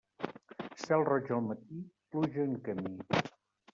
Cel roig al matí, pluja en camí.